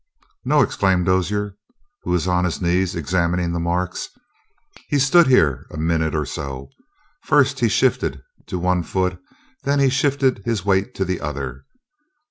"No," exclaimed Dozier, who was on his knees examining the marks, "he stood here a minute or so. First he shifted to one foot, and then he shifted his weight to the other.